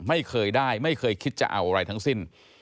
ไม่เคยได้ไม่เคยคิดจะเอาอะไรทั้งสิ้น